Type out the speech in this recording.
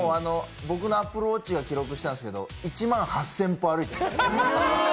僕のアプローチが記録したんですけど１万８０００歩、歩いてます。